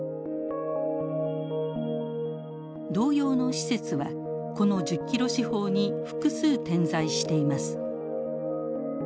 同様の施設はこの１０ｋｍ四方に複数点在しています。